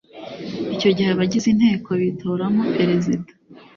Icyo gihe abagize inteko bitoramo Perezida